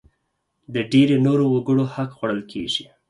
د ډېری نورو وګړو حق خوړل کېږي.